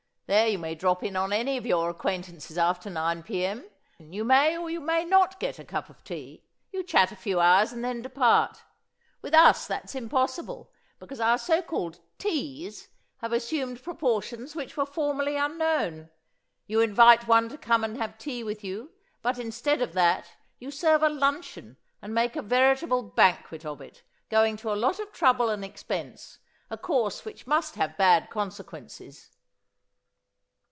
There you may drop in on any of your acquaintances after 9 p.m. You may or you may not get a cup of tea. You chat a few hours and then depart. With us that's impossible, because our so called 'Teas' have assumed proportions which were formerly unknown. You invite one to come and have tea with you but instead of that you serve a luncheon and make a veritable banquet of it, going to a lot of trouble and expense, a course which must have bad consequences."